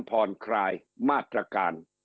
พรคลายมาตรการ